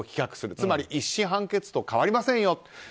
つまり、１審判決と変わりませんよと。